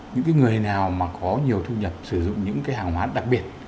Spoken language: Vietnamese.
những người nào có nhiều thu nhập sử dụng những hàng hóa đặc biệt